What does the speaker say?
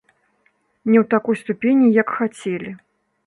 Не ў такой ступені, як хацелі.